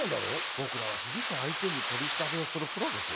僕らは被疑者相手に取り調べをするプロですよ。